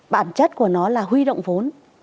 bản chất của nó là huy động vốn